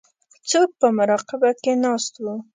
څوک په مراقبه کې ناست وو.